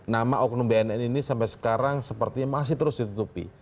nama oknum bnn ini sampai sekarang sepertinya masih terus ditutupi